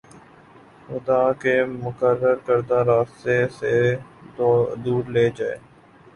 خدا کے مقرر کردہ راستے سے دور لے جائے